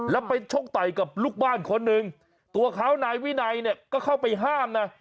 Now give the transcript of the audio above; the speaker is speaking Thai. แล้วไปชกไตกับลูกบ้านคนหนึ่งตัวขาวนายวิไนก็เข้าไปห้ามนะ